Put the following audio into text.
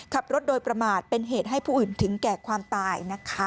ขับรถโดยประมาทเป็นเหตุให้ผู้อื่นถึงแก่ความตายนะคะ